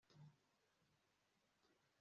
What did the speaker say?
asoma ibidafite akamaro cyangwa bibi kurusha